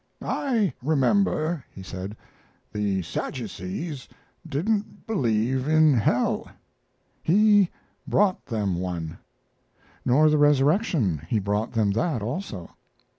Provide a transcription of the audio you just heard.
"I remember," he said, "the Sadducees didn't believe in hell. He brought them one." "Nor the resurrection. He brought them that, also."